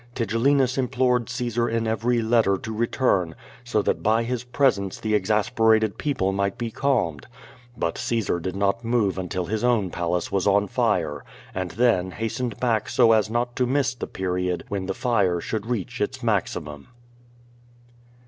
Tigellinus implored Caesar in every letter to return so that by his presence the exasperated people might be calmed. But Caesar did not move until his own palace was on fire, and then hastened back so as not to miss the period when the fire should reach its maximum.